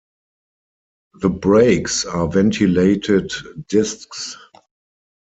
The brakes are ventilated discs.